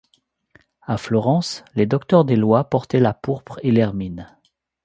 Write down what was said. À Florence, les docteurs des lois portaient la pourpre et l'hermine.